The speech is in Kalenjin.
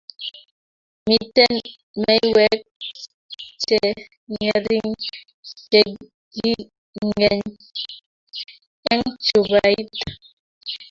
miten maywek chengering cheginget eng chupait